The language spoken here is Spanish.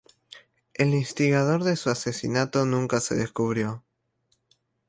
El instigador de su asesinato nunca se descubrió.